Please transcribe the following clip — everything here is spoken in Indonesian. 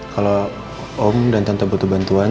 kalau om dan tentu butuh bantuan